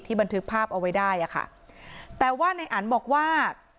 บันทึกภาพเอาไว้ได้อ่ะค่ะแต่ว่าในอันบอกว่า